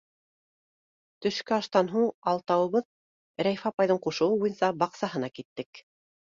Төшкө аштан һуң алтауыбыҙ Рәйфә апайҙың ҡушыуы буйынса баҡсаһына киттек.